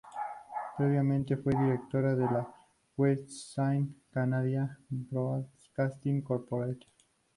Previamente fue directora del "website Canadian Broadcasting Corporation".